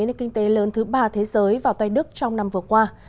nền kinh tế lớn thứ ba thế giới vào tay đức trong năm vừa qua